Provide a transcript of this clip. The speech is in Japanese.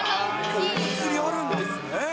お祭りあるんですね。